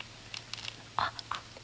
あっ！